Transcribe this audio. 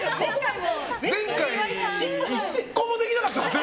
前回、１個もできなかったよね。